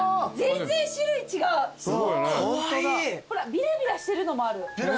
ビラビラしてるのもある。